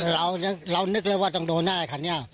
แรงมากแรงตัวหนันน่ะ